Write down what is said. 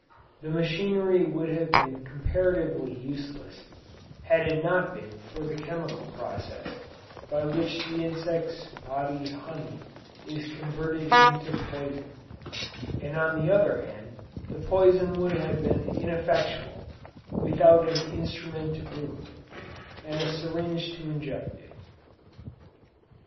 The machinery would have been comparatively useless had it not been for the chemical process, by which in the insect's body honey is converted into poison; and on the other hand, the poison would have been ineffectual, without an instrument to wound, and a syringe to inject it."